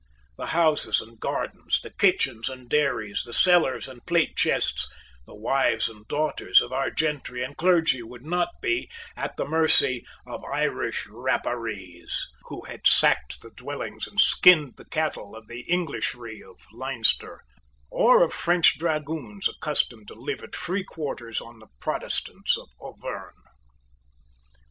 The houses and gardens, the kitchens and dairies, the cellars and plate chests, the wives and daughters of our gentry and clergy would not be at the mercy of Irish Rapparees, who had sacked the dwellings and skinned the cattle of the Englishry of Leinster, or of French dragoons accustomed to live at free quarters on the Protestants of Auvergne.